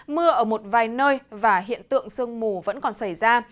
mưa ở một vài nơi và hiện tượng sương mù vẫn còn xảy ra